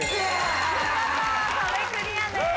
見事壁クリアです。